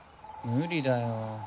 無理だよ。